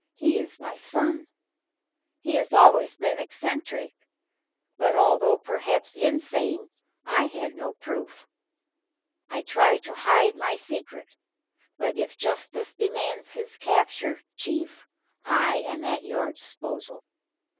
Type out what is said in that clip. He is my son. He always has been eccentric, but although perhaps insane, I had no proof. I tried to hide my secret, but if Justice demands his capture, Chief, I am at your disposal."